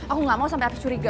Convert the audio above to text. aku gak mau sampe afis curiga